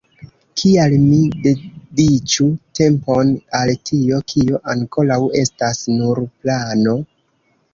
Kial mi dediĉu tempon al tio, kio ankoraŭ estas nur plano?